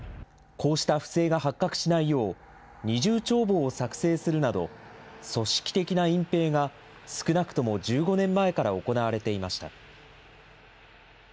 こうした不正が発覚しないよう、二重帳簿を作成するなど、組織的な隠蔽が少なくとも１５年前から行われていました。